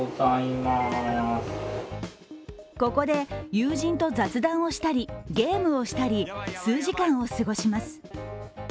ここで友人と雑談をしたり、ゲームをしたり数時間を過ごします。